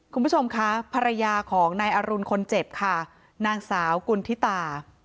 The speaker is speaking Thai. คุณผู้ชมคะภรรยาของนายอรุณคนเจ็บค่ะนางสาวกุณฑิตา